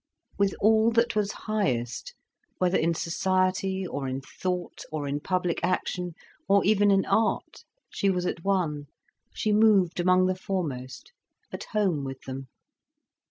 With all that was highest, whether in society or in thought or in public action, or even in art, she was at one, she moved among the foremost, at home with them.